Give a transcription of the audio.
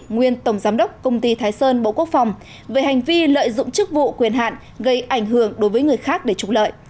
nguyên tổng giám đốc công ty thái sơn bộ quốc phòng về hành vi lợi dụng chức vụ quyền hạn gây ảnh hưởng đối với người khác để trục lợi